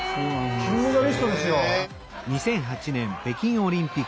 金メダリストですよ。